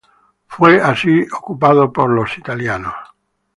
Fue así ocupado por los italianos.